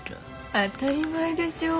当たり前でしょ。